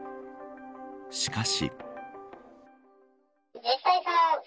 しかし。